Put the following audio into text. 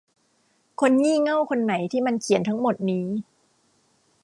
คนงี่เง่าคนไหนที่มันเขียนทั้งหมดนี้ ?